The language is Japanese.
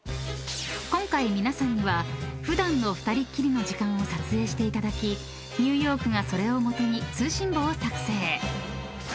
［今回皆さんには普段の２人っきりの時間を撮影していただきニューヨークがそれを基に通信簿を作成］